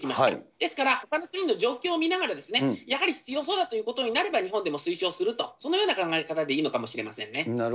ですから、ほかの国の状況を見ながら、やはり必要そうだということであれば、日本でも推奨すると、そのような考え方でいいのかもしれませんね。